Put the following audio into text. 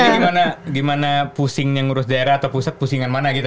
gimana gimana pusingnya ngurus daerah atau pusat pusingan mana gitu